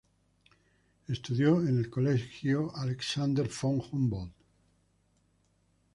Estudió en el Colegio Alexander von Humboldt.